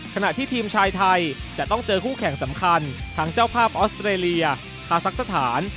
ขณะที่ทีมชายไทยจะต้องเจอคู่แข่งสำคัญทั้งเจ้าภาพออสเตรเลียคาซักสถาน